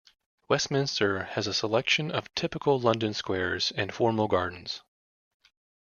Westminster has a selection of typical London squares and formal gardens.